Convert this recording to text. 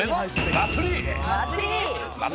祭り！